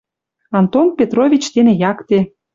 Антон Петрович тене якте